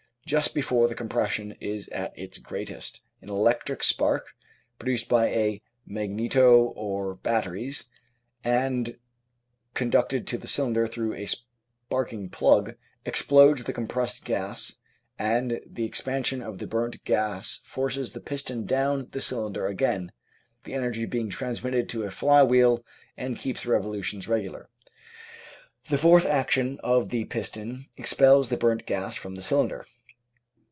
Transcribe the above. Just before the compression is at its greatest, an electric spark, produced by a magneto, or batteries, and conducted to the cylinder through a sparking plug, explodes the compressed gas, and the expansion of the burnt gas forces the piston down the cylinder again, the energy being transmitted to a fly wheel which keeps the revolutions regular. The fourth action of the piston expels the burnt gas from the cylinder.